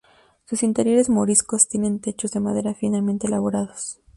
Sus interiores moriscos tienen techos de madera finamente elaborados.